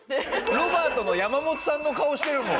ロバートの山本さんの顔してるもん。